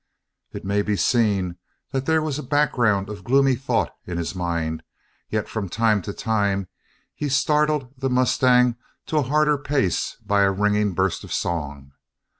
It may be seen that there was a background of gloomy thought in his mind, yet from time to time he startled the mustang to a harder pace by a ringing burst of song.